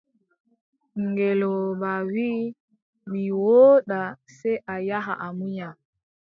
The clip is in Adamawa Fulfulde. Ngeelooba wii : mi wooda, sey a yaha a munya.